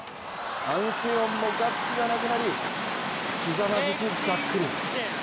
アン・セヨンもガッツがなくなりひざまずきがっくり。